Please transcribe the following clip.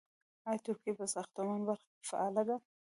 آیا ترکیه په ساختماني برخه کې فعاله ده؟